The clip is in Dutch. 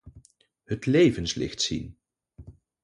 Het levenslicht zien.